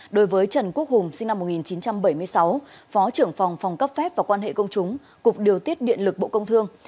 đối với trần quốc hùng sinh năm một nghìn chín trăm bảy mươi sáu phó trưởng phòng phòng cấp phép và quan hệ công chúng cục điều tiết điện lực bộ công thương